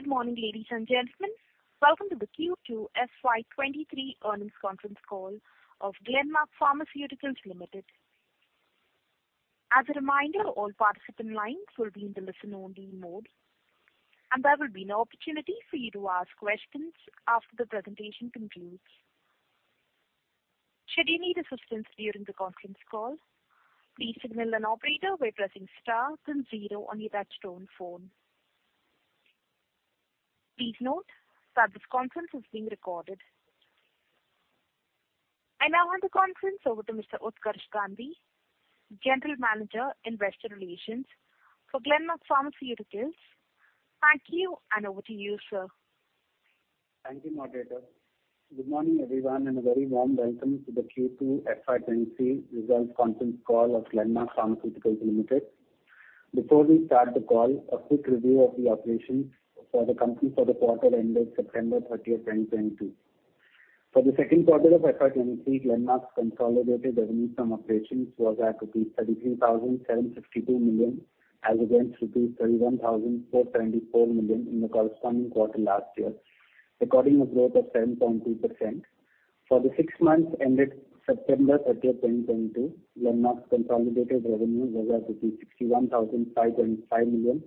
Good morning, ladies and gentlemen. Welcome to the Q2 FY23 earnings conference call of Glenmark Pharmaceuticals Ltd. As a reminder, all participant lines will be in the listen only mode, and there will be an opportunity for you to ask questions after the presentation concludes. Should you need assistance during the conference call, please signal an operator by pressing star then zero on your touchtone phone. Please note that this conference is being recorded. I now hand the conference over to Mr. Utkarsh Gandhi, General Manager, Investor Relations for Glenmark Pharmaceuticals. Thank you, and over to you, sir. Thank you, moderator. Good morning, everyone, and a very warm welcome to the Q2 FY23 results conference call of Glenmark Pharmaceuticals Ltd. Before we start the call, a quick review of the operations for the company for the quarter ended September 30, 2022. For the second quarter of FY23, Glenmark's consolidated revenue from operations was at 33,752 million, as against 31,424 million in the corresponding quarter last year, recording a growth of 7.2%. For the six months ended September 30, 2022, Glenmark's consolidated revenue was at rupees 61,005.5 million,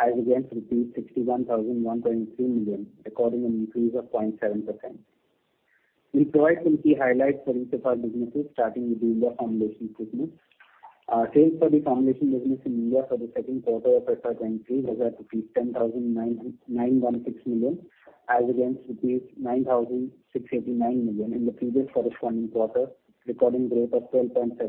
as against rupees 61,001.3 million, recording an increase of 0.7%. We provide some key highlights for each of our businesses, starting with India formulation business. Sales for the formulation business in India for the second quarter of FY 2023 was at rupees 10,916 million, as against rupees 9,689 million in the previous corresponding quarter, recording growth of 12.7%.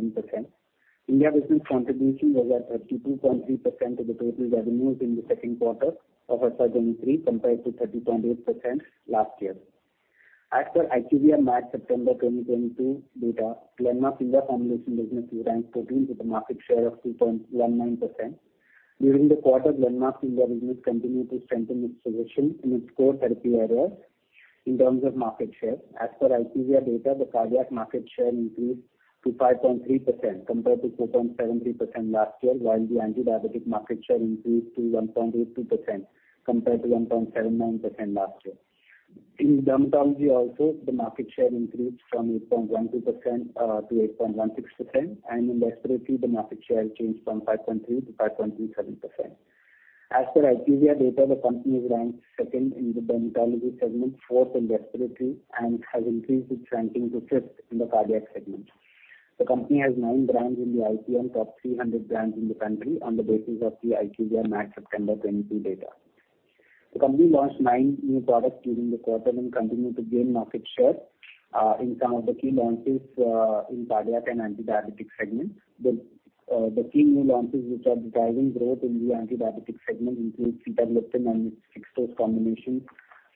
India business contribution was at 32.3% of the total revenues in the second quarter of FY 2023 compared to 30.8% last year. As per IQVIA March-September 2022 data, Glenmark India formulation business ranks 14th with a market share of 2.19%. During the quarter, Glenmark India business continued to strengthen its position in its core therapy areas in terms of market share. As per IQVIA data, the cardiac market share increased to 5.3% compared to 2.73% last year, while the antidiabetic market share increased to 1.82% compared to 1.79% last year. In dermatology also, the market share increased from 8.12% to 8.16%, and in respiratory the market share changed from 5.3% to 5.37%. As per IQVIA data, the company ranks second in the dermatology segment, fourth in respiratory, and has increased its ranking to fifth in the cardiac segment. The company has nine brands in the IPM top 300 brands in the country on the basis of the IQVIA March, September 2022 data. The company launched 9 new products during the quarter and continued to gain market share in some of the key launches in cardiac and antidiabetic segment. The key new launches which are driving growth in the antidiabetic segment include sitagliptin and its fixed dose combination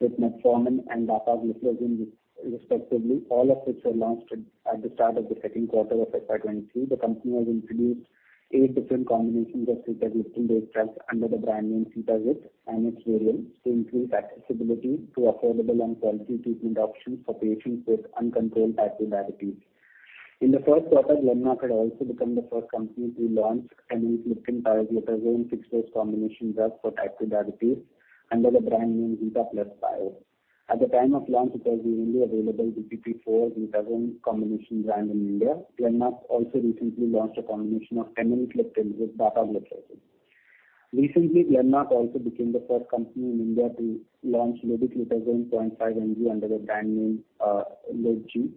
with metformin and dapagliflozin, respectively, all of which were launched at the start of the second quarter of FY 2023. The company has introduced 8 different combinations of sitagliptin base drugs under the brand name Sitagip and its variants to increase accessibility to affordable and quality treatment options for patients with uncontrolled type 2 diabetes. In the first quarter, Glenmark had also become the first company to launch teneligliptin pioglitazone fixed dose combination drug for type 2 diabetes under the brand name Zita Plus Pio. At the time of launch, it was the only available DPP-4 pioglitazone combination brand in India. Glenmark also recently launched a combination of empagliflozin with dapagliflozin. Recently, Glenmark also became the first company in India to launch liraglutide 0.5 mg under the brand name Lirafit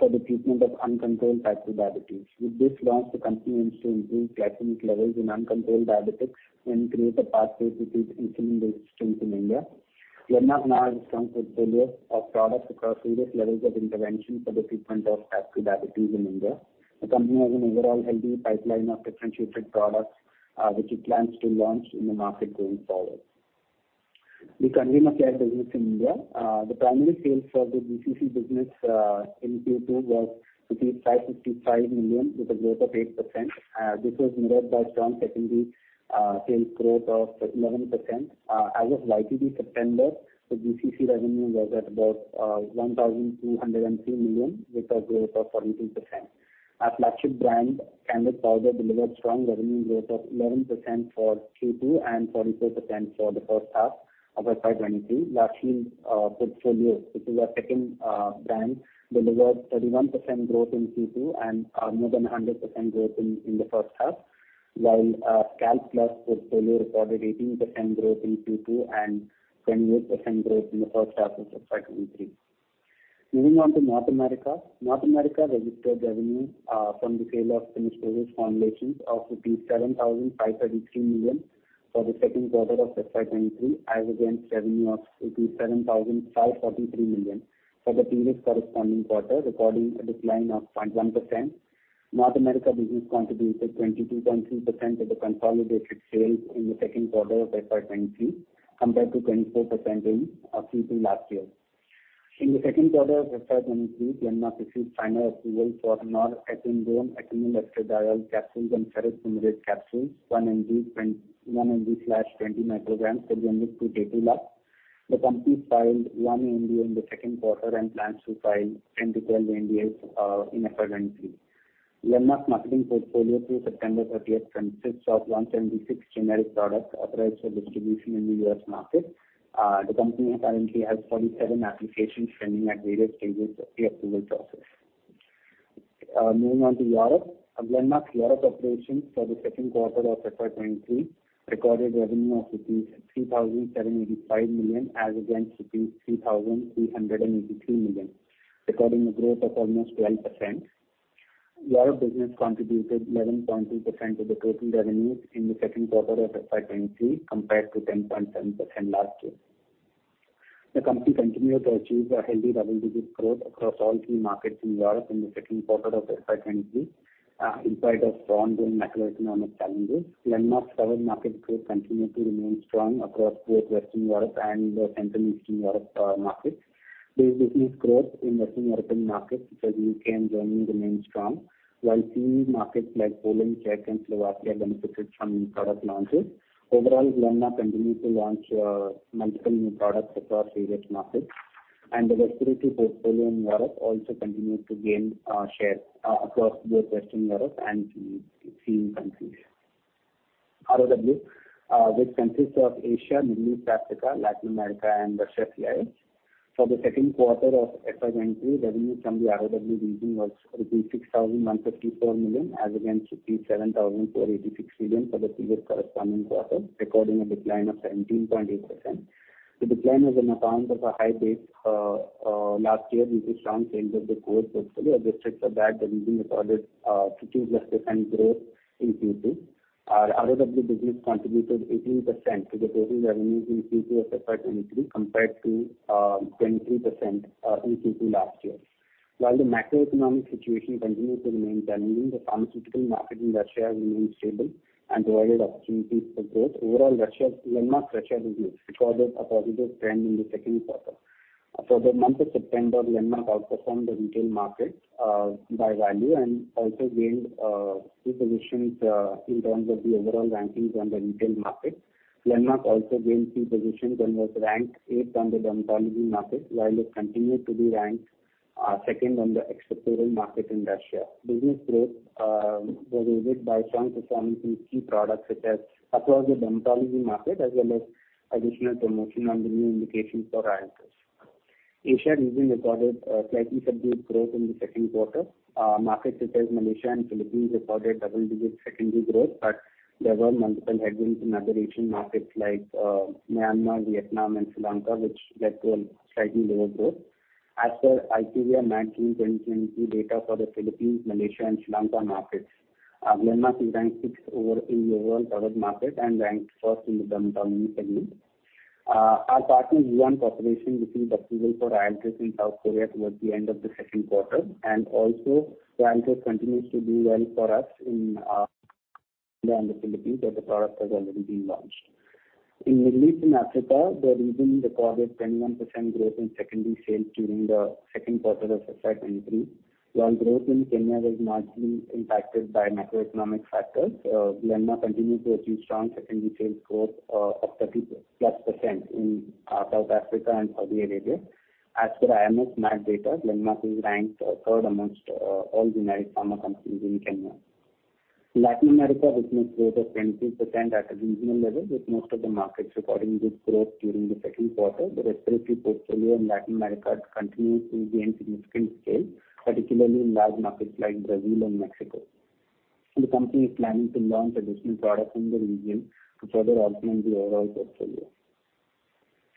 for the treatment of uncontrolled type 2 diabetes. With this launch, the company aims to increase liraglutide levels in uncontrolled diabetics and create a pathway to treat insulin resistance in India. Glenmark now has a strong portfolio of products across various levels of intervention for the treatment of type 2 diabetes in India. The company has an overall healthy pipeline of differentiated products which it plans to launch in the market going forward. The consumer care business in India. The primary sales for the BCC business in Q2 was 555 million, with a growth of 8%. This was mirrored by strong secondary sales growth of 11%. As of YTD September, the BCC revenue was at about 1,203 million, with a growth of 42%. Our flagship brand, Candid Powder, delivered strong revenue growth of 11% for Q2 and 44% for the first half of FY 2023. La Shield portfolio, which is our second brand, delivered 31% growth in Q2 and more than 100% growth in the first half, while Cal Plus portfolio recorded 18% growth in Q2 and 28% growth in the first half of FY 2023. Moving on to North America. North America registered revenue from the sale of finished goods formulations of INR 7,533 million for the second quarter of FY 2023, as against revenue of 7,543 million for the previous corresponding quarter, recording a decline of 0.1%. North America business contributed 22.2% of the consolidated sales in the second quarter of FY 2023 compared to 24% in Q2 last year. In the second quarter of FY 2023, Glenmark received final approval for norethindrone, ethinyl estradiol capsules and ferrous fumarate capsules, one mg slash twenty micrograms for the brand name Taytulla. The company filed one NDA in the second quarter and plans to file 10-12 NDAs in FY 2023. Glenmark marketing portfolio through September 30 consists of 176 generic products authorized for distribution in the U.S. market. The company currently has 47 applications pending at various stages of the approval process. Moving on to Europe. Glenmark's Europe operations for the second quarter of FY 2023 recorded revenue of rupees 3,785 million as against rupees 3,383 million, recording a growth of almost 12%. Europe business contributed 11.2% of the total revenues in the second quarter of FY 2023 compared to 10.7% last year. The company continued to achieve a healthy double-digit growth across all key markets in Europe in the second quarter of FY 2023, in spite of strong macroeconomic challenges. Glenmark's 7-market growth continued to remain strong across both Western Europe and Central Eastern Europe, markets. This business growth in Western European markets such as U.K. and Germany remains strong. While CEE markets like Poland, Czech and Slovakia benefited from new product launches. Overall, Glenmark continued to launch multiple new products across various markets, and the respiratory portfolio in Europe also continued to gain share across both Western Europe and CEE countries. ROW, which consists of Asia, Middle East, Africa, Latin America, and Russia CIS. For the second quarter of FY 2023, revenue from the ROW region was rupees 6,154 million as against rupees 7,486 million for the previous corresponding quarter, recording a decline of 17.8%. The decline is on account of a high base last year due to strong sales of the COV portfolio. Adjusted for that, the revenue recorded 50%+ growth in Q2. Our ROW business contributed 18% to the total revenues in Q2 of FY 2023 compared to 23% in Q2 last year. While the macroeconomic situation continued to remain challenging, the pharmaceutical market in Russia has remained stable and provided opportunities for growth. Overall, Glenmark's Russia business recorded a positive trend in the second quarter. For the month of September, Glenmark outperformed the retail market by value and also gained key positions in terms of the overall rankings on the retail market. Glenmark also gained key positions and was ranked 8th on the dermatology market, while it continued to be ranked 2nd on the ophthalmic market in Russia. Business growth was aided by strong performance in key products such as across the dermatology market, as well as additional promotion on the new indications for Ryaltris. Asia region recorded a slightly subdued growth in the second quarter. Markets such as Malaysia and Philippines recorded double-digit secondary growth, but there were multiple headwinds in other Asian markets like, Myanmar, Vietnam, and Sri Lanka, which led to a slightly lower growth. As per IQVIA MAT 2020 data for the Philippines, Malaysia and Sri Lanka markets, Glenmark is ranked sixth overall in the overall product market and ranked first in the dermatology segment. Our partner Yuhan Corporation received approval for Ryaltris in South Korea towards the end of the second quarter, and also Ryaltris continues to do well for us in, India and the Philippines, where the product has already been launched. In Middle East and Africa, the region recorded 21% growth in secondary sales during the second quarter of FY 2023. While growth in Kenya was marginally impacted by macroeconomic factors, Glenmark continued to achieve strong secondary sales growth of 30+% in South Africa and Saudi Arabia. As per IMS MAT data, Glenmark is ranked third amongst all generic pharma companies in Kenya. Latin America business growth of 22% at a regional level, with most of the markets recording good growth during the second quarter. The respiratory portfolio in Latin America continues to gain significant scale, particularly in large markets like Brazil and Mexico. The company is planning to launch additional products in the region to further augment the overall portfolio.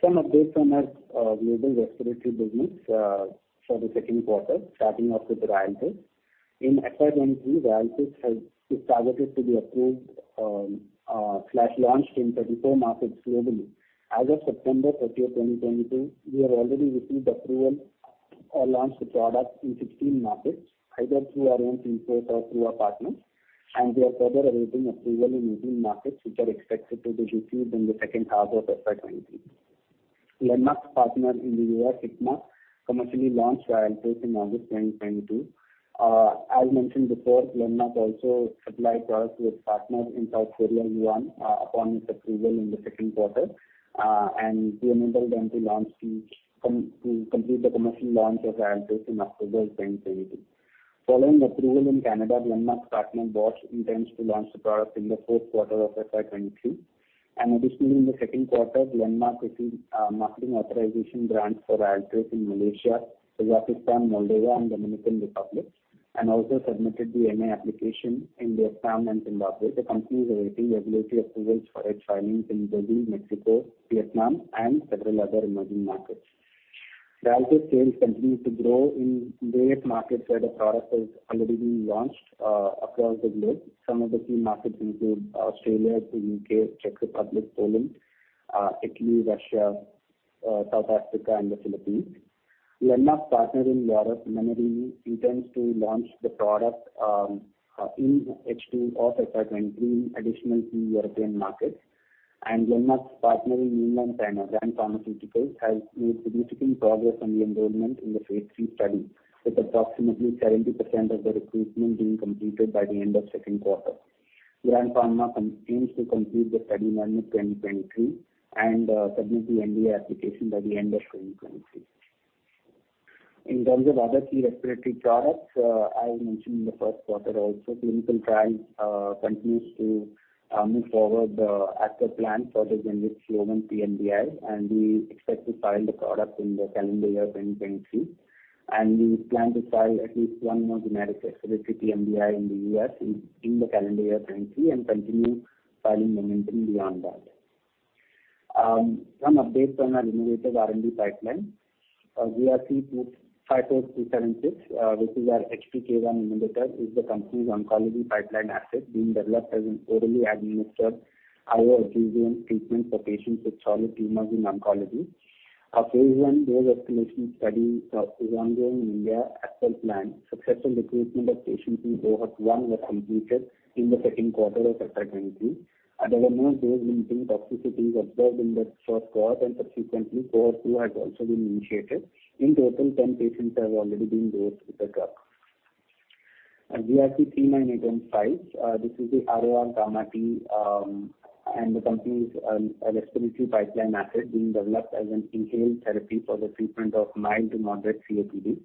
Some updates on our global respiratory business for the second quarter, starting off with RYALTRIS. In FY 2023, RYALTRIS is targeted to be approved slash launched in 34 markets globally. As of September 30, 2022, we have already received approval or launched the product in 16 markets, either through our own team force or through our partners. We are further awaiting approval in emerging markets, which are expected to be received in the second half of FY 2023. Glenmark's partner in the U.S., Hikma, commercially launched Ryaltris in August 2022. As mentioned before, Glenmark also supplied product with partners in South Korea, Yuhan, upon its approval in the second quarter, and we enabled them to complete the commercial launch of Ryaltris in October 2022. Following approval in Canada, Glenmark's partner, Bausch, intends to launch the product in the fourth quarter of FY 2023. Additionally, in the second quarter, Glenmark received marketing authorization grants for Ryaltris in Malaysia, Kazakhstan, Moldova and Dominican Republic, and also submitted the MA application in Vietnam and Zimbabwe. The company is awaiting regulatory approvals for its filings in Brazil, Mexico, Vietnam and several other emerging markets. Ryaltris sales continued to grow in various markets where the product has already been launched across the globe. Some of the key markets include Australia, the U.K., Czech Republic, Poland, Italy, Russia, South Africa, and the Philippines. Glenmark's partner in Europe, Menarini, intends to launch the product in H2 of FY 2023 in additional key European markets. Glenmark's partner in mainland China, Grand Pharmaceutical Group, has made significant progress on the enrollment in the phase III study, with approximately 70% of the recruitment being completed by the end of second quarter. Grand Pharma aims to complete the study in 2023 and submit the NDA application by the end of 2023. In terms of other key respiratory products, I mentioned in the first quarter also, clinical trials continues to move forward as per plan for the generic Flovent pMDI, and we expect to file the product in the calendar year 2023. We plan to file at least one more generic respiratory pMDI in the U.S. in the calendar year 2023 and continue filing momentum beyond that. Some updates on our innovative R&D pipeline. GRC 54276, which is our HPK1 inhibitor, is the company's oncology pipeline asset being developed as an orally administered IO treatment for patients with solid tumors in oncology. Our phase 1 dose-escalation study is ongoing in India as per plan. Successful recruitment of patients in cohort one was completed in the second quarter of FY 2023. There were no dose-limiting toxicities observed in the first cohort, and subsequently, cohort two has also been initiated. In total, 10 patients have already been dosed with the drug. GRC 39815, this is the RORγt, and the company's respiratory pipeline asset being developed as an inhaled therapy for the treatment of mild to moderate COPD.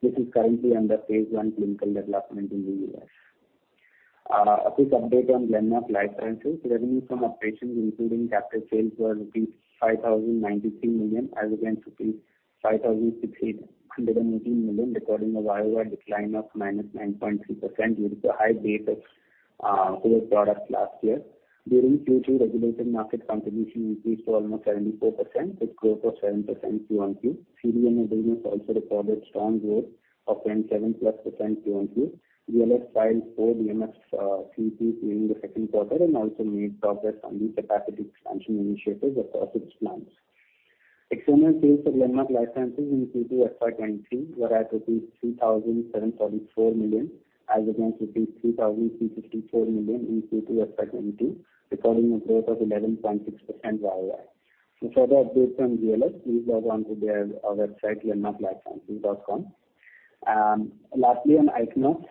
This is currently under phase 1 clinical development in the U.S.. A quick update on Glenmark licenses. Revenue from operations, including capital sales, was rupees 5,093 million as against rupees 5,618 million, recording a YoY decline of -9.3% due to the high base of COVID products last year. During Q2, regulated market contribution increased to almost 74%, with growth of 7% QOQ. CDMO business also recorded strong growth of 10.7+% QOQ. GLS filed four DMFs, CEP during the second quarter and also made progress on the capacity expansion initiatives as per its plans. External sales for Glenmark Life Sciences in Q2 FY 2023 were at 3,744 million as against 3,364 million in Q2 FY 2022, recording a growth of 11.6% YoY. For further updates on GLS, please log on to their website, glenmarklifesciences.com. Lastly, on Ichnos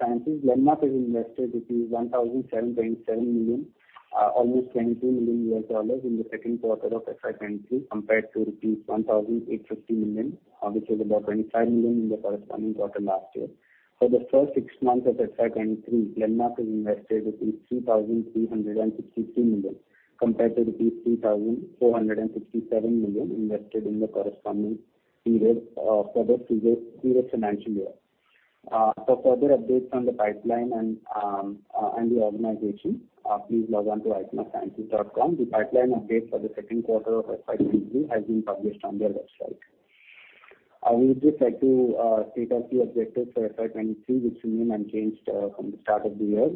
Sciences, Glenmark has invested 1,727 million, almost $22 million in the second quarter of FY 2023 compared to rupees 1,850 million, which was about $25 million in the corresponding quarter last year. For the first six months of FY 2023, Glenmark has invested 3,363 million compared to rupees 3,467 million invested in the corresponding period for the previous financial year. For further updates on the pipeline and the organization, please log on to ichnossciences.com. The pipeline update for the second quarter of FY 2023 has been published on their website. I would just like to state a few objectives for FY 2023, which remain unchanged from the start of the year.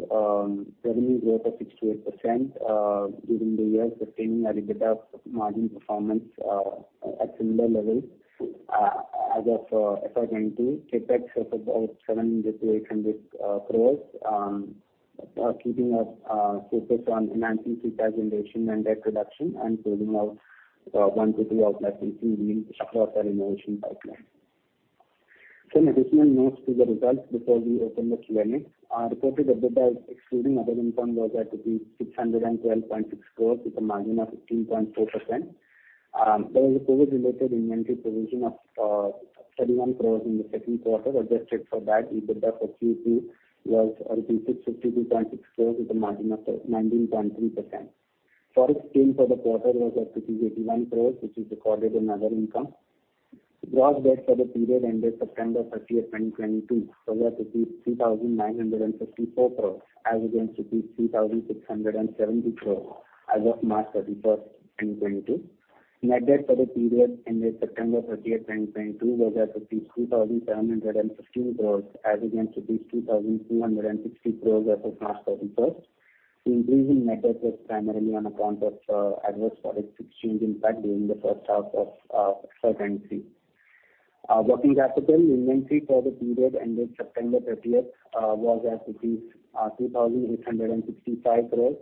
Revenue growth of 6 to 8% during the year, sustaining EBITDA margin performance at similar levels as of FY 2022. CapEx of about 700 to 800 crores, keeping a focus on enhancing free cash generation and debt reduction, and closing out 1-2 outsourcing deals across our innovation pipeline. Some additional notes to the results before we open the Q&A. Our reported EBITDA excluding other income was at 612.6 crores with a margin of 15.4%. There was a COVID-related inventory provision of 31 crores in the second quarter. Adjusted for that, EBITDA for Q2 was rupees 652.6 crores with a margin of 19.3%. Forex gain for the quarter was at rupees 81 crores, which is recorded in other income. Gross debt for the period ended September 30, 2022 was at 3,954 crore as against 3,670 crore as of March 31, 2022. Net debt for the period ended September 30, 2022 was at 2,715 crore as against 2,260 crore as of March 31. The increase in net debt was primarily on account of adverse forex exchange impact during the first half of FY 2023. Working capital inventory for the period ended September 30 was at rupees 2,865 crore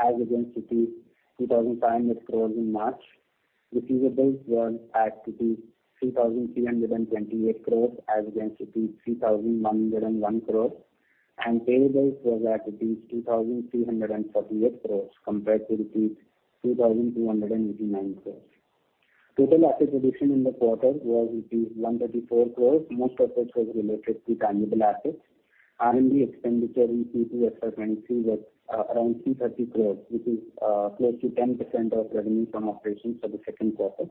as against rupees 2,500 crore in March. Receivables were at rupees 3,328 crore as against rupees 3,101 crore. Payables was at rupees 2,338 crores compared to rupees 2,289 crores. Total asset addition in the quarter was rupees 134 crores, most of which was related to tangible assets. R&D expenditure in Q2 FY 2023 was around 230 crores, which is close to 10% of revenue from operations for the second quarter.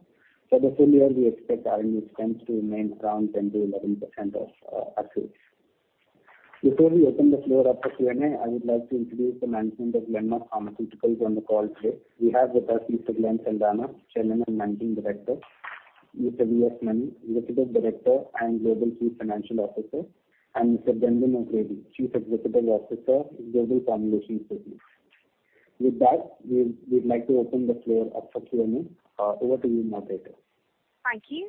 For the full year, we expect R&D spend to remain around 10% to 11% of our sales. Before we open the floor up for Q&A, I would like to introduce the management of Glenmark Pharmaceuticals on the call today. We have with us Mr. Glenn Saldanha, Chairman and Managing Director, Mr. V.S. Mani, Executive Director and Global Chief Financial Officer, and Mr. Brendan O'Grady, Chief Executive Officer, Global Formulations Business. With that, we'd like to open the floor up for Q&A. Over to you, moderator. Thank you.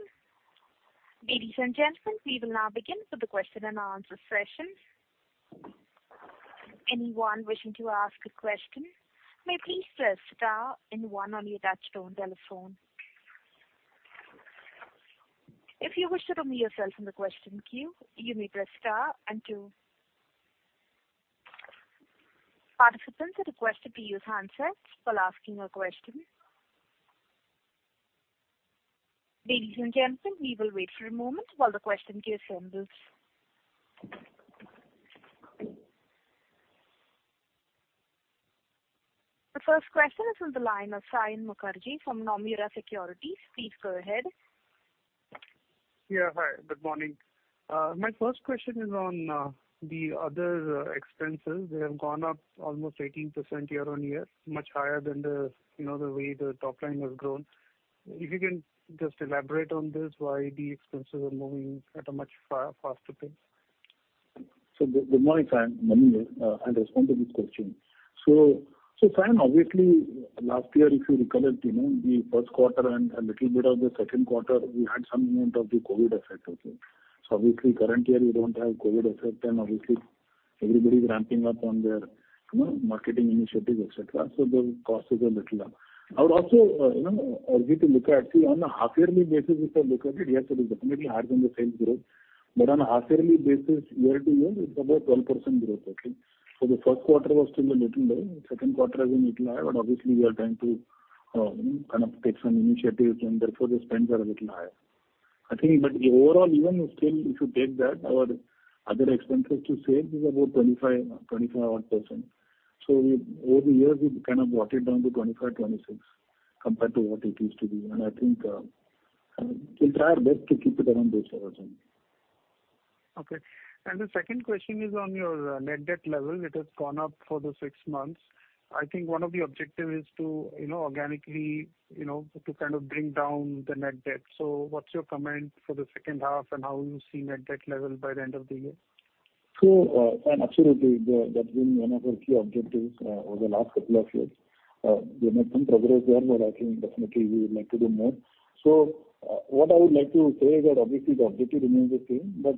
Ladies and gentlemen, we will now begin with the question and answer session. Anyone wishing to ask a question may please press star and one on your touchtone telephone. If you wish to unmute yourself from the question queue, you may press star and two. Participants are requested to use handsets while asking a question. Ladies and gentlemen, we will wait for a moment while the question queue assembles. The first question is from the line of Saion Mukherjee from Nomura Securities. Please go ahead. Hi, good morning. My first question is on the other expenses. They have gone up almost 18% year-on-year, much higher than the, you know, the way the top line has grown. If you can just elaborate on this, why the expenses are moving at a much faster pace. Good morning, Saion. Yeah. Nomura. I'll respond to this question. Saion, obviously last year, if you recollect, you know, the first quarter and a little bit of the second quarter, we had some amount of the COVID effect, okay? Obviously current year we don't have COVID effect, and obviously everybody's ramping up on their, you know, marketing initiatives, et cetera. The cost is a little up. I would also, you know, urge you to look at, see on a half-yearly basis if you look at it, yes, it is definitely higher than the sales growth. On a half-yearly basis, year-to-year it's about 12% growth, okay? The first quarter was still a little low. Second quarter has been little high, but obviously we are trying to, kind of take some initiatives and therefore the spends are a little higher. I think overall even still if you take that, our other expenses to sales is about 25 odd %. Over the years we've kind of brought it down to 25-26 compared to what it used to be. I think we'll try our best to keep it around those levels only. Okay. The second question is on your net debt level. It has gone up for the six months. I think one of the objective is to, you know, organically, you know, to kind of bring down the net debt. What's your comment for the second half, and how you see net debt level by the end of the year? Saion, absolutely. That's been one of our key objectives over the last couple of years. We made some progress there, but I think definitely we would like to do more. What I would like to say is that obviously the objective remains the same, but,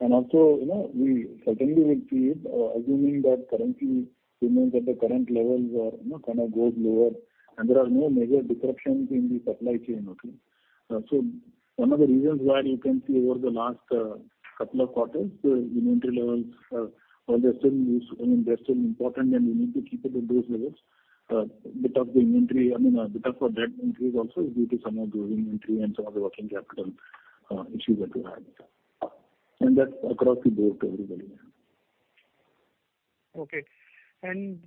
and also, you know, we certainly will see it, assuming that currency remains at the current levels or, you know, kind of goes lower and there are no major disruptions in the supply chain, okay? One of the reasons why you can see over the last couple of quarters the inventory levels, while they're still useful and they're still important and we need to keep it at those levels, bit of the inventory, I mean, a bit of our debt increase also is due to some of the inventory and some of the working capital issues that we had. That's across the board, everybody. Okay.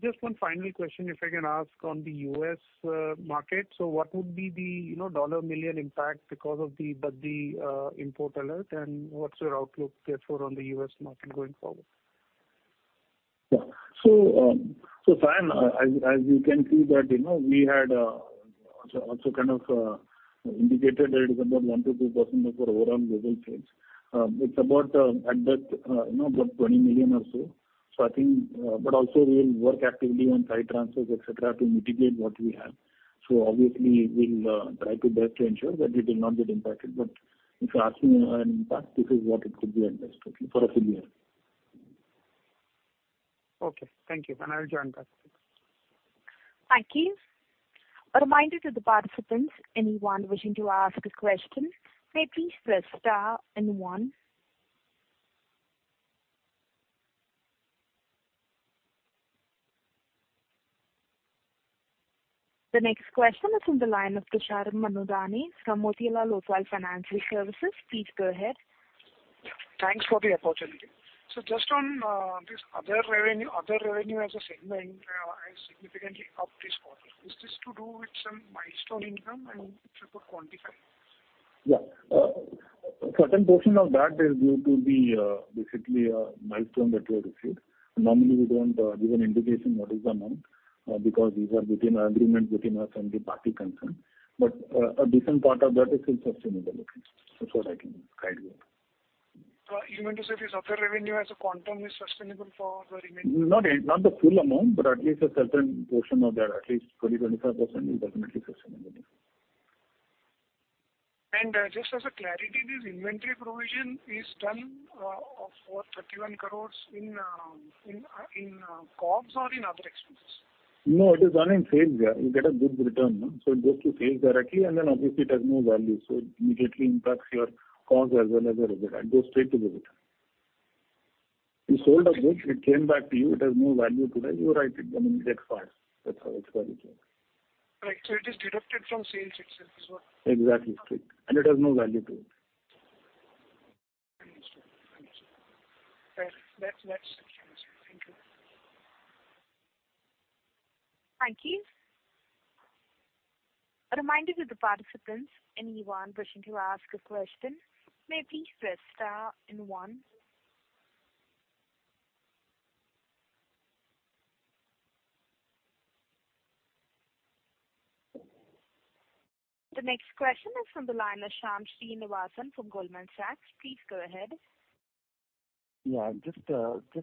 Just one final question, if I can ask on the U.S. market. What would be the, you know, million dollar impact because of the Baddi import alert, and what's your outlook therefore on the U.S. market going forward? Yeah. Saion, as you can see that, you know, we had also kind of indicated that it is about 1% to 2% of our overall global sales. It's about, at best, you know, about 20 million or so. I think, but also we'll work actively on site transfers, etc., to mitigate what we have. Obviously we'll try to best ensure that it will not get impacted. But if you're asking an impact, this is what it could be at best, okay? For a full year. Okay. Thank you. I'll join back. Thank you. A reminder to the participants, anyone wishing to ask a question, may please press star and one. The next question is from the line of Tushar Manudhane from Motilal Oswal Financial Services. Please go ahead. Thanks for the opportunity. Just on this other revenue, other revenue as a segment, has significantly upped this quarter. Is this to do with some milestone income and if you could quantify? Yeah. A certain portion of that is due to the, basically a milestone that we have received. Normally we don't give an indication what is the amount, because these are between agreements between us and the party concerned. A decent part of that is still sustainable, okay? That's what I can guide you on. You mean to say this other revenue as a quantum is sustainable for the remaining- Not the full amount, but at least a certain portion of that, at least 20-25% is definitely sustainable. Just as a clarity, this inventory provision is done for 31 crore in COGS or in other expenses? No, it is done in sales. You get a goods return, no? It goes to sales directly and then obviously it has no value. It immediately impacts your COGS as well as your result. It goes straight to the return. You sold a good, it came back to you, it has no value today, you write it off immediately. That's how it's valued. Right. It is deducted from sales itself as well. Exactly. Straight. It has no value to it. Understood. Right. That's clear. Thank you. Thank you. A reminder to the participants, anyone wishing to ask a question, may please press star and one. The next question is from the line of Shyam Srinivasan from Goldman Sachs. Please go ahead. Yeah. Just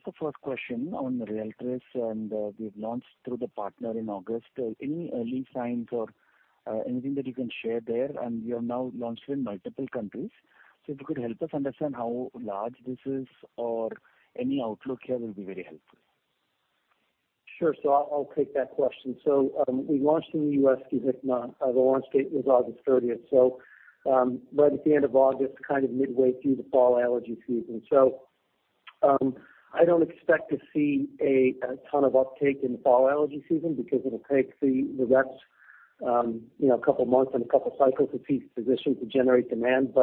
a first question on RYALTRIS, and we've launched through the partner in August. Any early signs or anything that you can share there? You have now launched in multiple countries. If you could help us understand how large this is or any outlook here will be very helpful. Sure. I'll take that question. We launched in the U.S. RYALTRIS. The launch date was August thirtieth. I don't expect to see a ton of uptake in the fall allergy season because it'll take the reps, you know, a couple months and a couple cycles to see physicians to generate demand.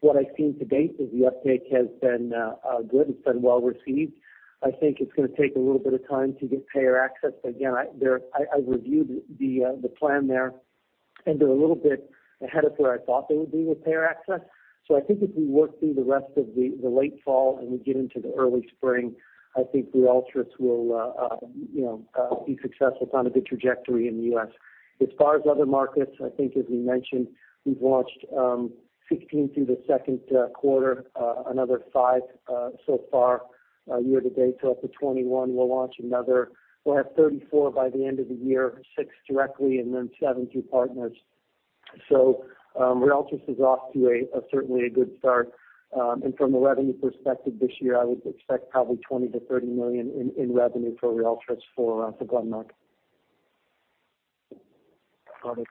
What I've seen to date is the uptake has been good. It's been well received. I think it's gonna take a little bit of time to get payer access. Again, I reviewed the plan there, and they're a little bit ahead of where I thought they would be with payer access. I think as we work through the rest of the late fall, and we get into the early spring, I think RYALTRIS will be successful. It's on a good trajectory in the U.S. As far as other markets, I think as we mentioned, we've launched sixteen through the second quarter, another five so far year to date, so up to 21. We'll have 34 by the end of the year, six directly and then seven through partners. RYALTRIS is off to a certainly good start. And from a revenue perspective this year, I would expect probably 20 to 30 million in revenue for RYALTRIS for Glenmark. Got it.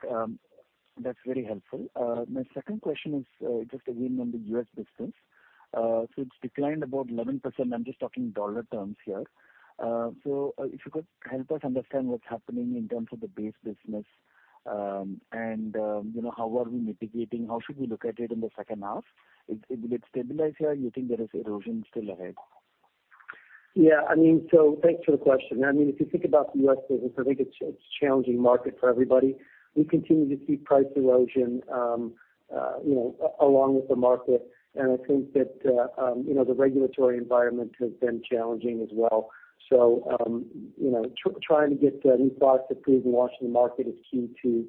That's very helpful. My second question is, just again on the U.S. business. So it's declined about 11%. I'm just talking dollar terms here. If you could help us understand what's happening in terms of the base business, and how are we mitigating? How should we look at it in the second half? Will it stabilize here, or you think there is erosion still ahead? Yeah, I mean, thanks for the question. I mean, if you think about the U.S. business, I think it's a challenging market for everybody. We continue to see price erosion, you know, along with the market. I think that, you know, the regulatory environment has been challenging as well. You know, trying to get new products approved in Washington market is key to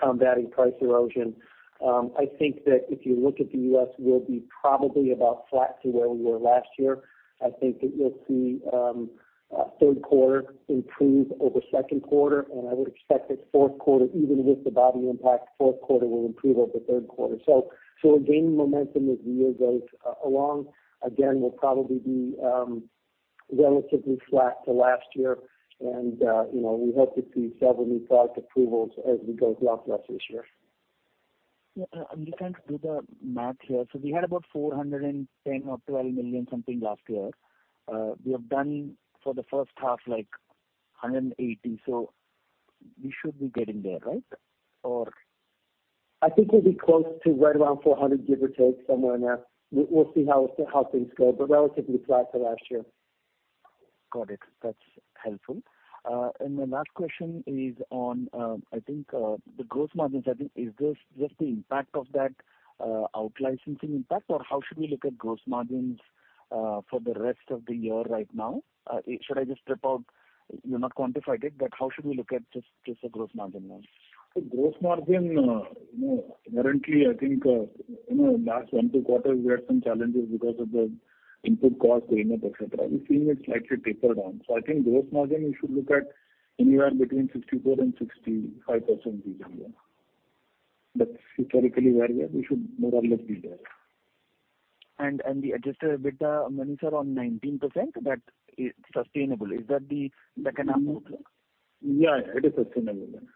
combating price erosion. I think that if you look at the U.S., we'll be probably about flat to where we were last year. I think that you'll see third quarter improve over second quarter, and I would expect that fourth quarter, even with the Baddi impact, fourth quarter will improve over third quarter. So we're gaining momentum as the year goes along. Again, we'll probably be relatively flat to last year and, you know, we hope to see several new product approvals as we go through the rest of this year. I'm just trying to do the math here. We had about 410 million or 412 million something last year. We have done for the first half, like 180. We should be getting there, right? I think we'll be close to right around 400, give or take, somewhere in there. We'll see how things go, but relatively flat to last year. Got it. That's helpful. And my last question is on, I think, the gross margins. I think is this just the impact of that, out licensing impact? Or how should we look at gross margins, for the rest of the year right now? Should I just strip out. You've not quantified it, but how should we look at just the gross margin now? So gross margin, you know, currently, I think, you know, last one, two quarters, we had some challenges because of the input cost, payment, et cetera. We've seen it slightly taper down. So I think gross margin, you should look at anywhere between 64% and 65% this year. That's historically where we are. We should more or less be there. The adjusted EBITDA, V.S. Mani, are on 19%, that is sustainable. Is that the, like, an outlook? Yeah. It is sustainable, yeah. Got it.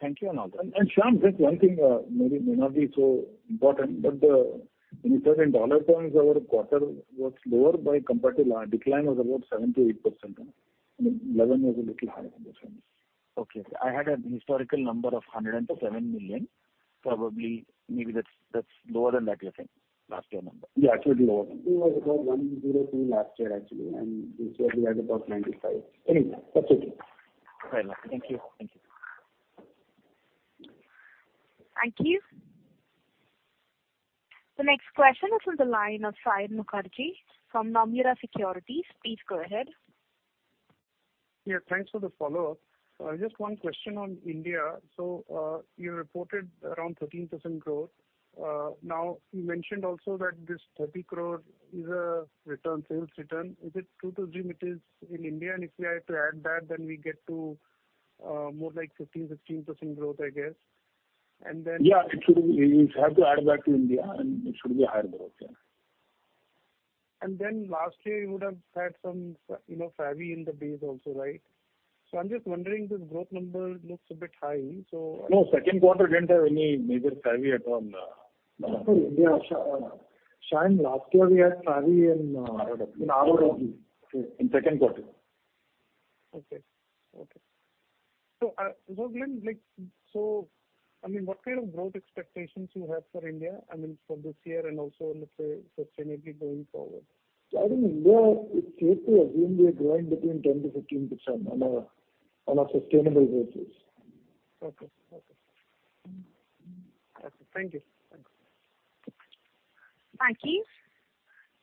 Thank you on all that. Shyam, just one thing, maybe may not be so important, but when you said in dollar terms, our quarter was lower by compared to. Decline was about 7% to 8%. I mean, 11% was a little higher than this one. Okay. I had a historical number of $107 million, probably that's lower than that, you're saying, last year number. Yeah, actually lower than that. It was 102 last year actually, and this year we are about 95. Anyway, that's okay. Fair enough. Thank you. Thank you. Thank you. The next question is from the line of Saion Mukherjee from Nomura Securities. Please go ahead. Yeah, thanks for the follow-up. Just one question on India. You reported around 13% growth. Now you mentioned also that this 30 crore is a return, sales return. Is it true to assume it is in India? If we had to add that, then we get to more like 15% to 16% growth, I guess. Yeah, it should be. You'll have to add that to India, and it should be a higher growth, yeah. Lastly, you would have had some you know, FabiFlu in the base also, right? I'm just wondering, this growth number looks a bit high. No, second quarter didn't have any major FabiFlu at all in the. India. Shyam, last year we had FabiFlu in, Aradapi. In Aradapi. Okay. In second quarter. Glenn, like, I mean, what kind of growth expectations you have for India, I mean, for this year and also in the sustainably going forward? I think India, it's safe to assume we are growing between 10% to 15% on a sustainable basis. Okay. That's it. Thank you. Thanks. Thank you.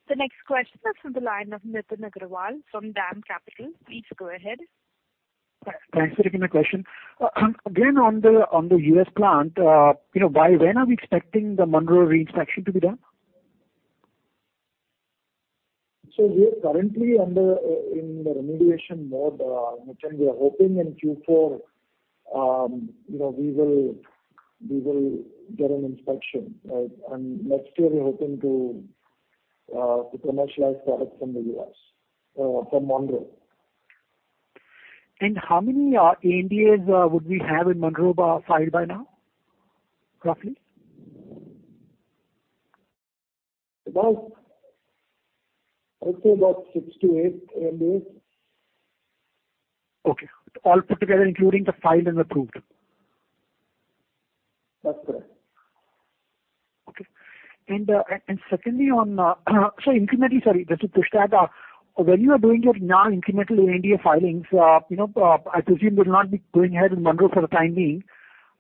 The next question is from the line of Nitin Agarwal from DAM Capital. Please go ahead. Thanks for taking my question. Again, on the U.S. plant, you know, by when are we expecting the Monroe re-inspection to be done? We are currently in the remediation mode, Nitin. We are hoping in Q4. You know, we will get an inspection, right. Next year we're hoping to commercialize products in the U.S. from Monroe. How many ANDAs would we have in Monroe filed by now, roughly? I'd say about 6 to 8 ANDAs. Okay. All put together, including the filed and approved. That's correct. When you are doing your non-incremental ANDA filings, I presume you will not be going ahead in Monroe for the time being.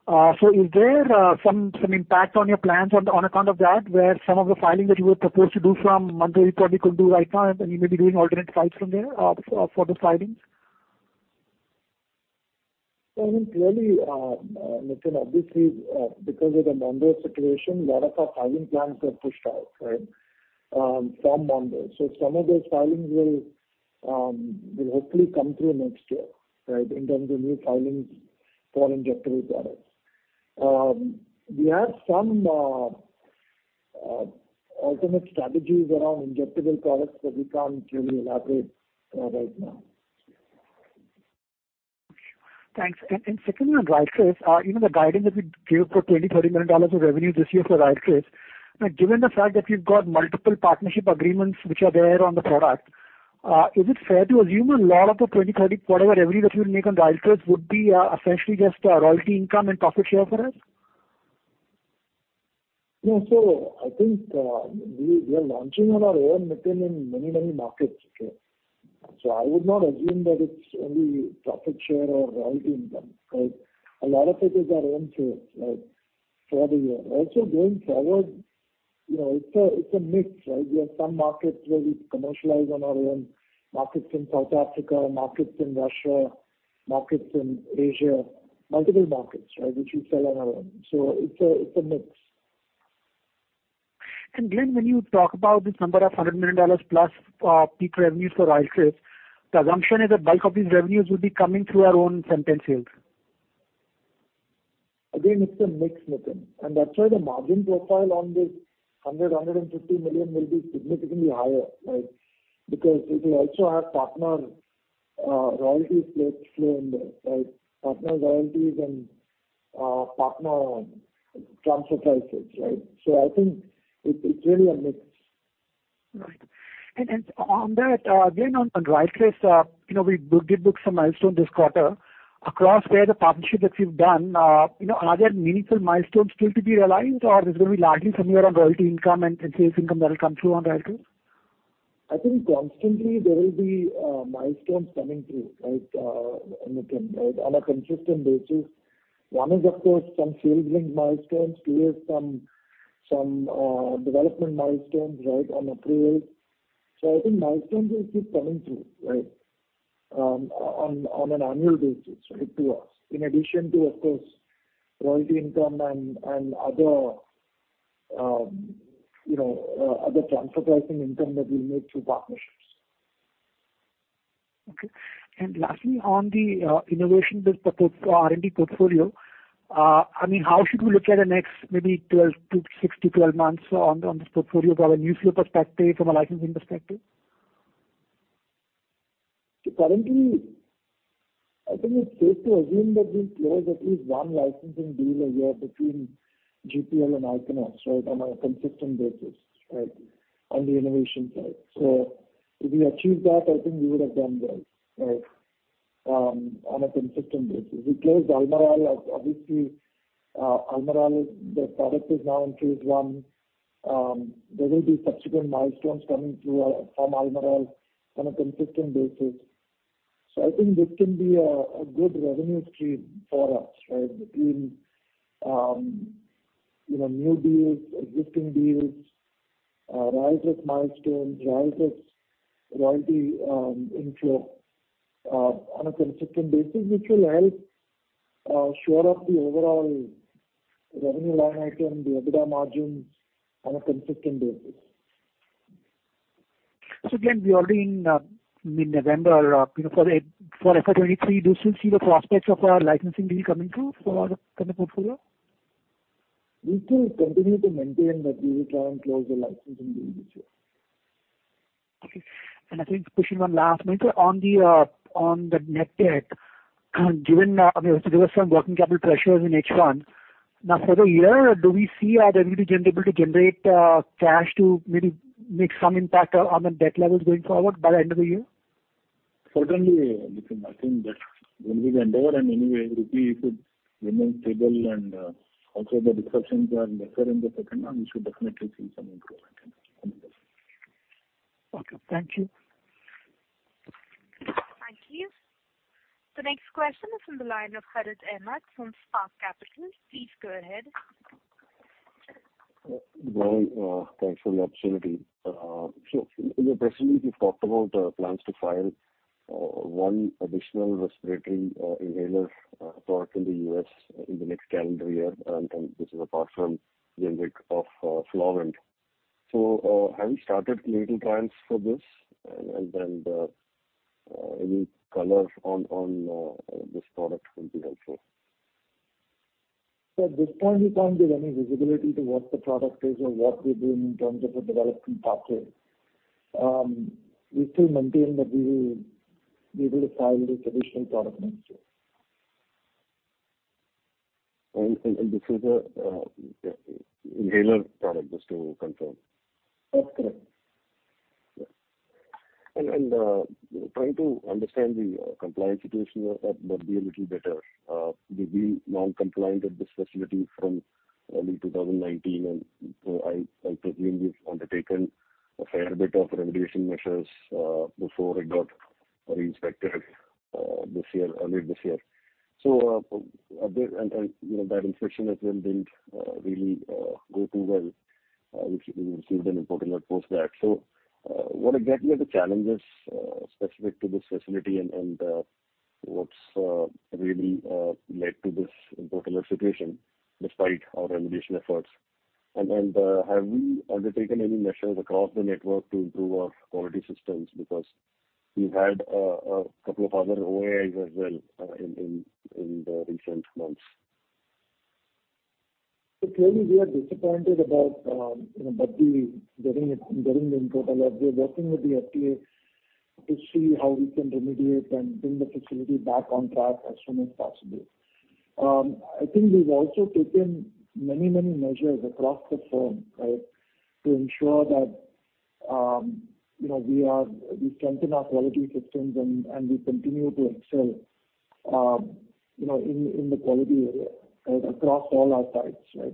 Is there some impact on your plans on account of that, where some of the filings that you were supposed to do from Monroe you probably couldn't do right now, and you may be doing alternate filings from there for the filings? I mean, clearly, Nitin, obviously, because of the Monroe situation, a lot of our filing plans got pushed out, right, from Monroe. Some of those filings will hopefully come through next year, right, in terms of new filings for injectable products. We have some alternate strategies around injectable products that we can't really elaborate right now. Thanks. Second on RYALTRIS, you know, the guidance that we gave for $20 to $30 million of revenue this year for RYALTRIS. Now, given the fact that you've got multiple partnership agreements which are there on the product, is it fair to assume a lot of the $20 to $30, whatever revenue that you will make on RYALTRIS would be, essentially just a royalty income and profit share for us? No. I think we are launching on our own, Nitin, in many markets. I would not assume that it's only profit share or royalty income, right. A lot of it is our own sales, right, for the year. Also going forward, you know, it's a mix, right. We have some markets where we commercialize on our own, markets in South Africa, markets in Russia, markets in Asia, multiple markets, right, which we sell on our own. It's a mix. Glenn, when you talk about this number of $100 million plus, peak revenues for RYALTRIS, the assumption is that bulk of these revenues will be coming through our own Glenmark sales. Again, it's a mix, Nitin. That's why the margin profile on this 150 million will be significantly higher, right? Because it will also have partner royalties flow in there, right. Partner royalties and partner transfer prices, right? I think it's really a mix. Right. On that, again, on RYALTRIS, you know, we did book some milestone this quarter. Across the partnerships that you've done, you know, are there meaningful milestones still to be realized, or it's gonna be largely somewhere around royalty income and sales income that will come through on RYALTRIS? I think constantly there will be milestones coming through, right, Nitin, right, on a consistent basis. One is of course some sales link milestones. Two is some development milestones, right, on RYALTRIS. I think milestones will keep coming through, right, on an annual basis, right, to us, in addition to, of course, royalty income and other, you know, other transfer pricing income that we make through partnerships. Okay. Lastly, on the innovation-based R&D portfolio, I mean, how should we look at the next maybe 6 to 12 months on this portfolio from an inflow perspective, from a licensing perspective? Currently, I think it's safe to assume that we close at least one licensing deal a year between GPL and Ichnos, right, on a consistent basis, right, on the innovation side. If we achieve that, I think we would have done well, right, on a consistent basis. We closed Almirall. Obviously, Almirall, the product is now in phase one. There will be subsequent milestones coming through from Almirall on a consistent basis. I think this can be a good revenue stream for us, right, between you know, new deals, existing deals, Ryaltris milestones, Ryaltris royalty, inflow on a consistent basis, which will help shore up the overall revenue line item, the EBITDA margins on a consistent basis. Glenn, we are already in mid-November. You know, for FY 2023, do you still see the prospects of a licensing deal coming through from the portfolio? We still continue to maintain that we will try and close the licensing deal this year. Okay. I think posing one last question. On the net debt, given, I mean, there was some working capital pressures in H1. Now for the year, do we see our WC able to generate cash to maybe make some impact on the debt levels going forward by the end of the year? Certainly, Nitin. I think that when we end the year and anyway the rupee remains stable and also the disruptions are lesser in the second half, we should definitely see some improvement in this. Okay. Thank you. Thank you. The next question is from the line of Harshil Haria from Spark Capital. Please go ahead. Good morning. Thanks for the opportunity. In your presentation, you've talked about plans to file one additional respiratory inhaler product in the U.S. in the next calendar year. This is apart from generic of Flovent. Have you started clinical trials for this? Any color on this product will be helpful. At this point, we can't give any visibility to what the product is or what we're doing in terms of the development pathway. We still maintain that we will be able to file the traditional product next year. This is a inhaler product, just to confirm. That's correct. Trying to understand the compliance situation at Baddi a little better. They've been non-compliant at this facility from early 2019, and I presume you've undertaken a fair bit of remediation measures before it got reinspected early this year. You know, that inspection as well didn't really go too well, which we received an import alert post that. What exactly are the challenges specific to this facility and what's really led to this import alert situation despite our remediation efforts? Have we undertaken any measures across the network to improve our quality systems? Because we've had a couple of other OAIs as well in the recent months. Clearly we are disappointed about Baddi getting the import alert. We're working with the FDA to see how we can remediate and bring the facility back on track as soon as possible. I think we've also taken many measures across the firm, right, to ensure that you know we strengthen our quality systems and we continue to excel you know in the quality area across all our sites, right,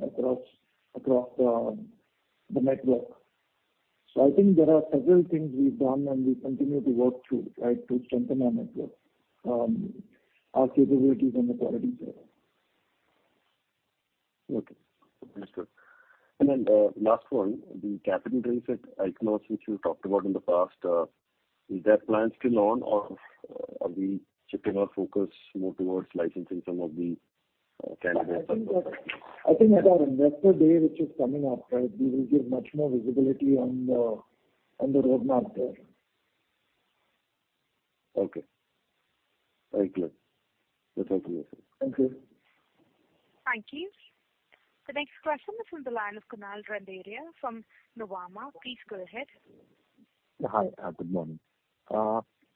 across the network. I think there are several things we've done and we continue to work through, right, to strengthen our network our capabilities and the quality there. Okay. Understood. Last one. The capital raise at Ichnos, which you talked about in the past, is that plan still on or are we shifting our focus more towards licensing some of the, candidates? I think at our investor day, which is coming up, right, we will give much more visibility on the roadmap there. Okay. Very clear. Thank you. Thank you. Thank you. The next question is from the line of Kunal Randeria from Nuvama. Please go ahead. Hi. Good morning.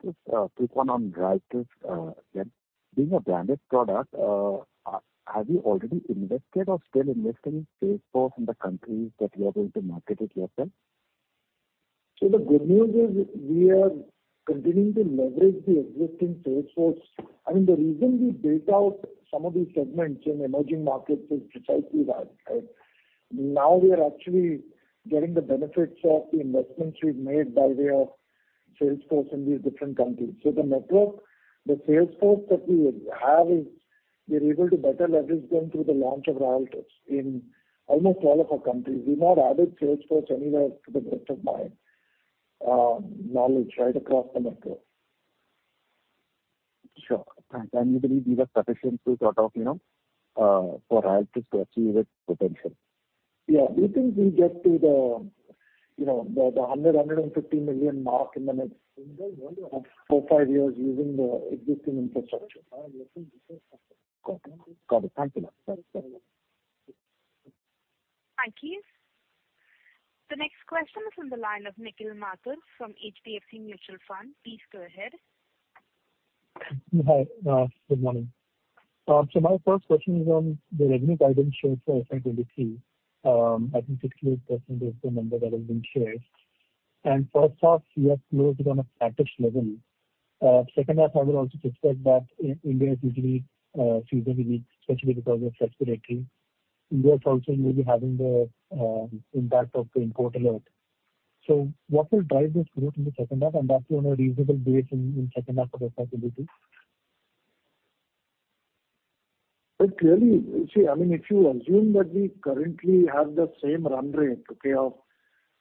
Just quick one on RYALTRIS, again. Being a branded product, have you already invested or still investing in sales force in the countries that you are going to market it yourself? The good news is we are continuing to leverage the existing sales force. I mean, the reason we built out some of these segments in emerging markets is precisely that, right? Now we are actually getting the benefits of the investments we've made by way of sales force in these different countries. The network, the sales force that we have is we're able to better leverage them through the launch of Ryaltris in almost all of our countries. We've not added sales force anywhere to the best of my knowledge, right across the network. Sure. You believe these are sufficient to sort of, you know, for RYALTRIS to achieve its potential? Yeah. We think we'll get to the, you know, the 150 million mark in the next 4-5 years using the existing infrastructure. Got it. Thank you. Sorry. Thank you. The next question is from the line of Nikhil Mathur from HDFC Mutual Fund. Please go ahead. Hi. Good morning. My first question is on the revenue guidance shared for FY 2023. I think 68% is the number that has been shared. First half you have grown it on a flat-ish level. Second half I would also suspect that India is usually seasonally weak, especially because of respiratory. You guys also may be having the impact of the import alert. What will drive this growth in the second half and that too on a reasonable base in second half of FY 2023? Well, clearly, see, I mean, if you assume that we currently have the same run rate, okay, of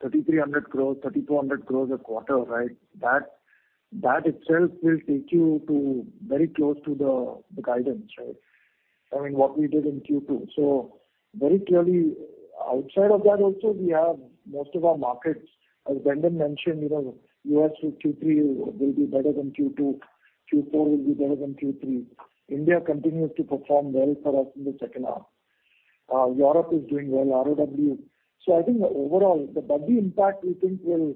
3,300 crores, 3,200 crores a quarter, right? That itself will take you to very close to the guidance, right? I mean, what we did in Q2. Very clearly outside of that also we have most of our markets, as Brendan O'Grady mentioned, you know, U.S. Q3 will be better than Q2. Q4 will be better than Q3. India continues to perform well for us in the second half. Europe is doing well, ROW. I think overall the Baddi impact we think will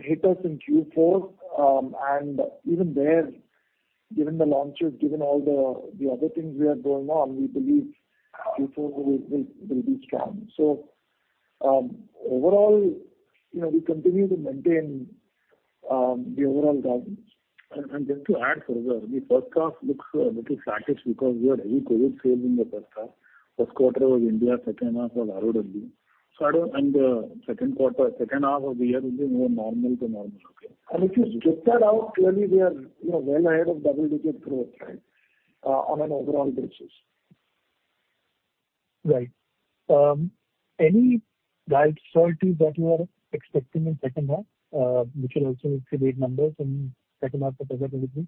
hit us in Q4, and even there, given the launches, given all the other things we have going on, we believe Q4 will be strong. Overall, you know, we continue to maintain the overall guidance. Just to add further, the first half looks a little flattish because we had heavy COVID sales in the first half. First quarter was India, second half was ROW. Second quarter, second half of the year will be more normal to normal. Okay? If you strip that out, clearly we are, you know, well ahead of double-digit growth, right, on an overall basis. Right. Any guide for LT that you are expecting in second half, which will also reflect numbers in second half of FY 2023?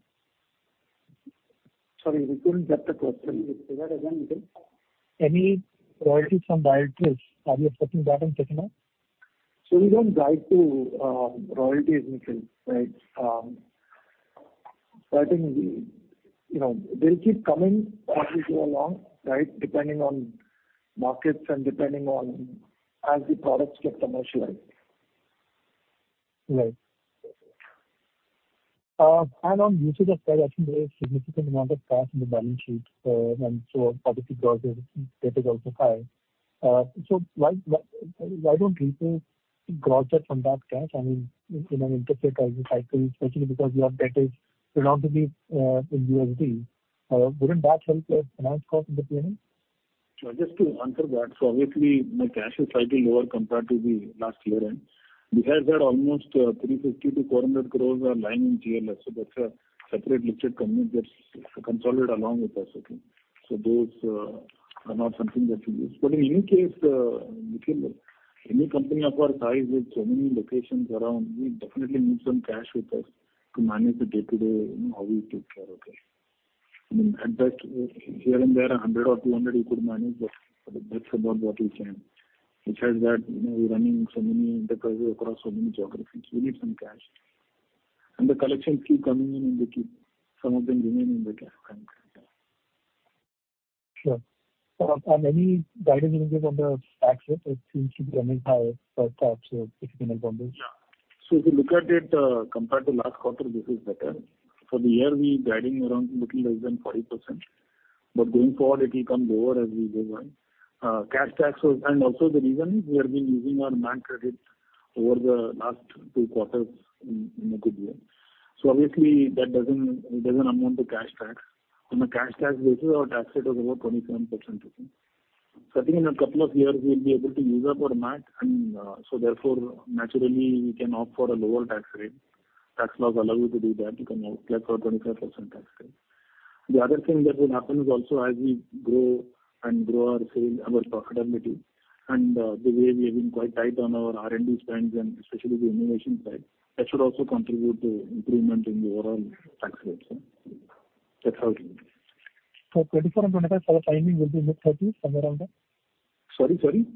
Sorry, we couldn't get the question. Say that again, Nikhil. Any royalties from RYALTRIS? Are you expecting that in second half? We don't guide to royalties, Nikhil. Right. I think you know, they'll keep coming as we go along, right? Depending on markets and depending on as the products get commercialized. Right. On usage of cash, I think there is significant amount of cash in the balance sheet. Obviously debt is also high. So why don't you take growth from that cash? I mean, in an interest rate rising cycle, especially because your debt is predominantly in USD. Wouldn't that help your finance cost in the beginning? Just to answer that, obviously my cash is slightly lower compared to the last year end. Besides that, almost 350 to 400 crores are lying in GLS. That's a separate listed company that's consolidated along with us, I think. Those are not something that we use. In any case, Nikhil, any company of our size with so many locations around, we definitely need some cash with us to manage the day-to-day, you know, how we take care of it. I mean, at best, here and there, 100 or 200 you could manage, but that's about what we can. Besides that, you know, we're running so many enterprises across so many geographies. We need some cash. The collections keep coming in and they keep some of them remaining in the cash and bank. Sure. Any guidance you can give on the tax rate? It seems to be running high for perhaps, if you can comment on this. If you look at it, compared to last quarter, this is better. For the year, we're guiding around a little less than 40%. Going forward it will come lower as we go by. Cash taxes. Also the reason is we have been using our bank credit over the last two quarters in a good way. Obviously it doesn't amount to cash tax. On a cash tax basis, our tax rate was about 27%, I think. I think in a couple of years we'll be able to use up our MAT, and therefore naturally we can opt for a lower tax rate. Tax laws allow you to do that. You can opt like for a 25% tax rate. The other thing that will happen is also as we grow our sales, our profitability, and the way we have been quite tight on our R&D spends and especially the innovation side, that should also contribute to improvement in the overall tax rates, yeah. That's how it is. 24 and 25, so the timing will be mid-30s, somewhere around there? Sorry.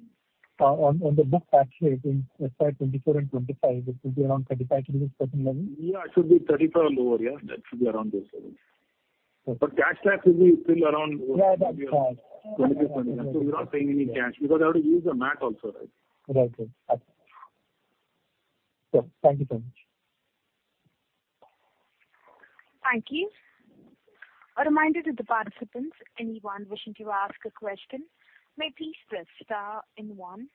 On the book tax rate in FY 2024 and 2025, it will be around 35% to 40% level? Yeah, it should be 35 or lower, yeah. That should be around this level. Okay. Cash tax will be still around. Yeah, that's fine. 20 to 22. We're not paying any cash because we have to use the MAT also, right? Right. Okay. Sure. Thank you so much. Thank you. A reminder to the participants, anyone wishing to ask a question may please press star and one.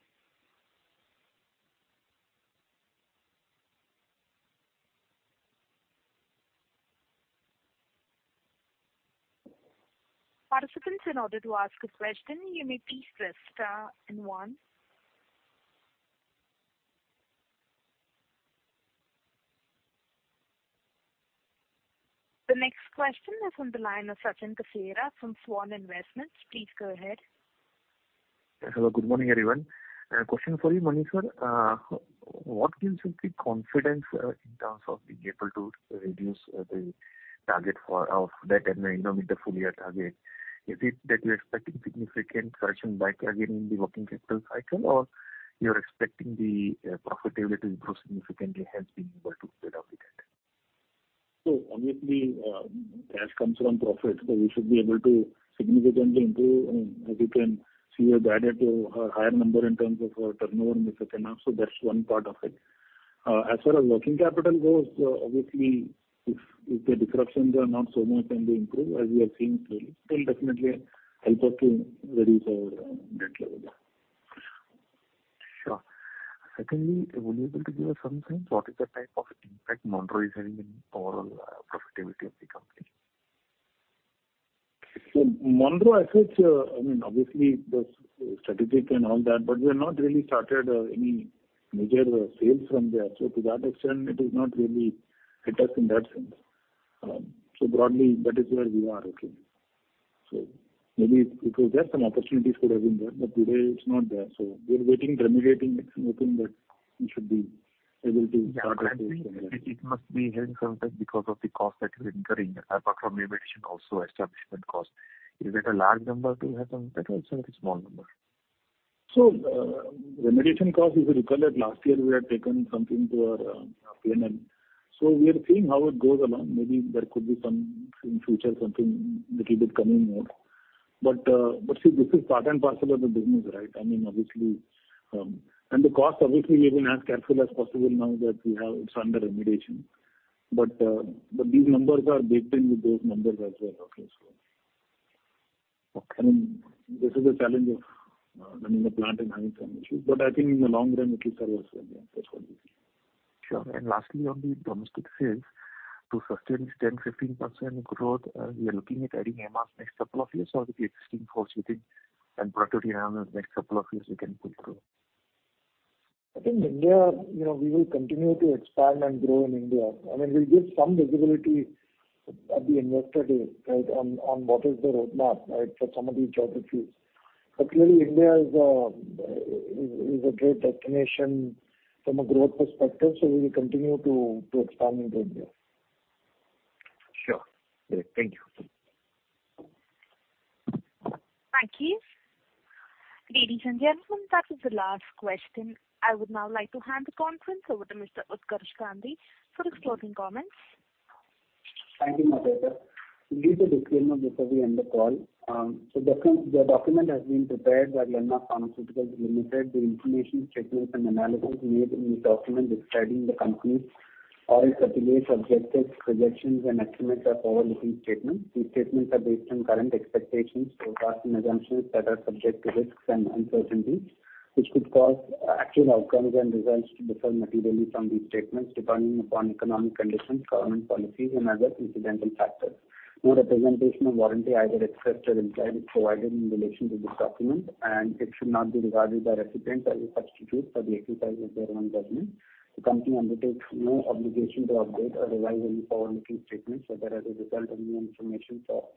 Participants, in order to ask a question, you may please press star and one. The next question is on the line of Sachin Kasera from Svan Investments. Please go ahead. Yes. Hello, good morning, everyone. A question for you, V.S. Mani, sir. What gives you the confidence in terms of being able to reduce the target of debt and, you know, meet the full year target? Is it that you're expecting significant freeing up of working capital, or you're expecting the profitability to grow significantly, hence being able to pay down the debt? Obviously, cash comes from profits. We should be able to significantly improve. As you can see, we have guided to a higher number in terms of our turnover in the second half, so that's one part of it. As far as working capital goes, obviously if the disruptions are not so much and they improve as we are seeing clearly, it will definitely help us to reduce our debt level, yeah. Sure. Secondly, will you be able to give us some sense what is the type of impact Monroe is having in overall profitability of the company? Monroe as such, I mean, obviously there's strategic and all that, but we have not really started any major sales from there. To that extent, it is not really hit us in that sense. Broadly that is where we are. Okay? Maybe if it was there, some opportunities could have been there, but today it's not there. We're waiting, remediating it and hoping that we should be able to start. Yeah. I think it must be having some impact because of the cost that you're incurring apart from remediation, also establishment cost. Is it a large number to have some impact or it's a very small number? Remediation cost, if you recall that last year we had taken something to our P&L. We are seeing how it goes along. Maybe there could be some in future, something little bit coming more. See this is part and parcel of the business, right? I mean, obviously, and the cost obviously we're being as careful as possible now that we have it under remediation. These numbers are baked in with those numbers as well. Okay? Okay. I mean, this is the challenge of running a plant and having some issues. I think in the long run it will serve us well. Yeah. That's what we see. Sure. Lastly, on the domestic sales, to sustain this 10% to 15% growth, you're looking at adding MRs next couple of years or the existing workforce and product you have in next couple of years you can pull through? I think India, you know, we will continue to expand and grow in India. I mean, we'll give some visibility at the investor day, right, on what is the roadmap, right, for some of these geographies. Clearly India is a great destination from a growth perspective, so we will continue to expand in India. Sure. Great. Thank you. Thank you. Ladies and gentlemen, that is the last question. I would now like to hand the conference over to Mr. Utkarsh Gandhi for his closing comments. Thank you, Madhurima. We'll give the disclaimer before we end the call. The document has been prepared by Glenmark Pharmaceuticals Ltd. The information, statements and analyses made in the document describing the company or its affiliates, objectives, projections, and estimates are forward-looking statements. These statements are based on current expectations, forecasts, and assumptions that are subject to risks and uncertainties, which could cause actual outcomes and results to differ materially from these statements depending upon economic conditions, government policies, and other incidental factors. No representation or warranty, either expressed or implied, is provided in relation to this document, and it should not be regarded by recipients as a substitute for the exercise of their own judgment. The company undertakes no obligation to update or revise any forward-looking statements, whether as a result of new information, subsequent